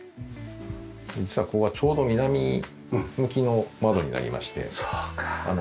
実はここがちょうど南向きの窓になりまして。